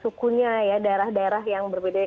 sukunya ya daerah daerah yang berbeda